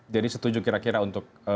jadi setuju kira kira untuk